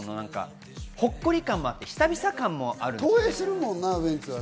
ほっこり感もあって久々感もあるというか。